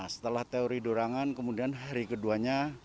setelah teori di ruangan kemudian hari keduanya